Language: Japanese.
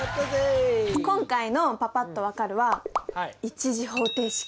今回のパパっと分かるは１次方程式。